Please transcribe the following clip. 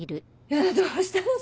どうしたの？